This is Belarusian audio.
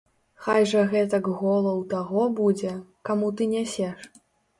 Хай жа гэтак гола ў таго будзе, каму ты нясеш.